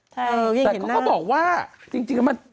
แต่เขาก็บอกว่าจริงแล้วมัน